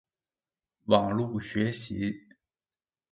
網路學習